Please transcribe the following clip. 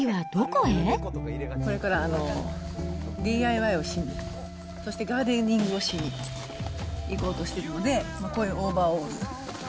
これからＤＩＹをしに、そしてガーデニングをしに行こうとしてるので、こういうオーバーオール。